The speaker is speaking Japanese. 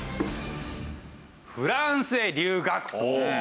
「フランスへ留学」と。